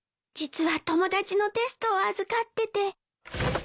実は友達のテストを預かってて。